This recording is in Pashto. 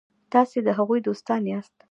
تاسي د هغوی دوستان یاست.